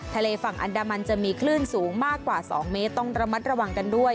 ทะเลฝั่งอันดามันจะมีคลื่นสูงมากกว่า๒เมตรต้องระมัดระวังกันด้วย